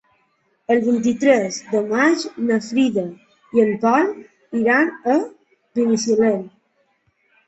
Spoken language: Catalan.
El vint-i-tres de maig na Frida i en Pol iran a Binissalem.